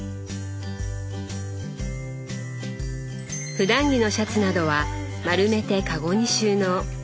ふだん着のシャツなどは丸めてカゴに収納。